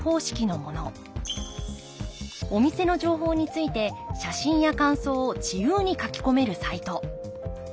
お店の情報について写真や感想を自由に書き込めるサイト。